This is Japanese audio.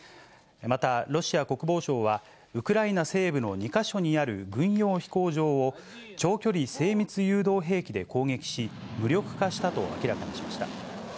またロシア国防省は、ウクライナ西部の２か所にある軍用飛行場を、長距離精密誘導兵器で攻撃し、無力化したと明らかにしました。